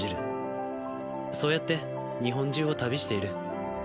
そうやって日本中を旅している。